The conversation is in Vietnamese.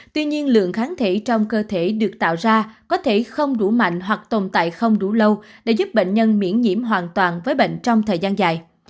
tuy nhiên lượng kháng thể trong cơ thể được tạo ra có thể không đủ mạnh hoặc tồn tại không đủ lâu để giúp bệnh nhân miễn nhiễm hoàn toàn với bệnh trong thời gian dài